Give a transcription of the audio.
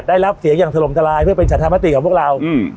ได้รับเสียงอย่างถล่มทลายเพื่อเป็นสันธามติของพวกเราอืม